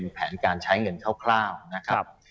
แผนการใช้เงินคร่าวนะครับ